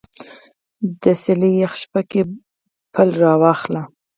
د څیلې یخه شپه کې پل راواخله